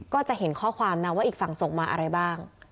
ก็จะเห็นข้อความนะว่าอีกฝั่งส่งมาอะไรบ้าง